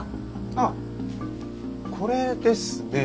あっこれですね。